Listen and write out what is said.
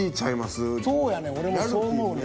そうやねん俺もそう思うねん。